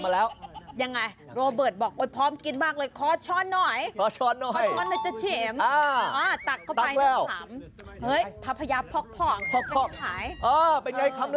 แล้วอันนี้ก็คือชวนฝรั่งกินส้มตาล